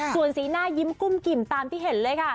ส่วนสีหน้ายิ้มกุ้มกิ่มตามที่เห็นเลยค่ะ